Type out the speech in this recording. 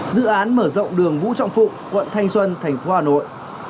dự án mở rộng đường vũ trọng phụng quận thanh xuân thành phố hà nội